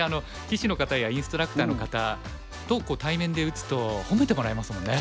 棋士の方やインストラクターの方と対面で打つと褒めてもらえますもんね。